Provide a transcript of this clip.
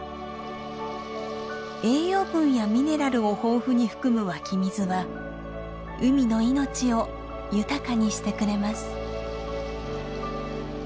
栄養分やミネラルを豊富に含む湧き水は海の命を豊かにしてくれます。